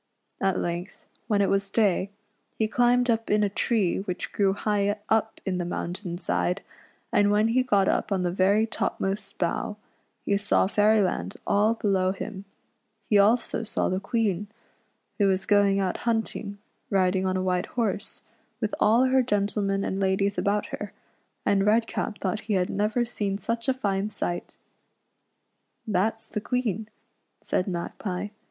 At length, when it was day, he climbed up in a tree which REDCAP'S ADVENTURES IN E AIRY LAND 93 grew high up in the mountain side, and when he got up on the very topmost bough, he saw Fairyland all below him. He also saw the Queen, who was going out hunt ing, riding on a white horse, with all her gentlemen and ladies about her, and Redcap thought he had never seen such a fine sight. "That's the Queen," said Magpie.